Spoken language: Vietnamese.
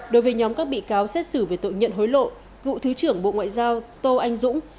đối với nhóm các bị cáo xét xử về tội nhận hối lộ cựu thứ trưởng bộ ngoại giao tô anh dũng